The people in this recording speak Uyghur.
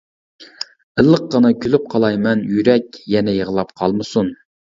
ئىللىققىنا كۈلۈپ قالاي مەن، يۈرەك يەنە يىغلاپ قالمىسۇن.